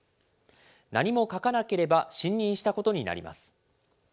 何も書かなければ信任したことになります。